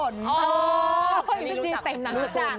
อ๋อยังไม่รู้จัก